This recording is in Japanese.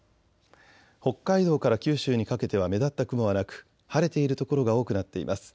北海道から九州にかけては目立った雲はなく晴れている所が多くなっています。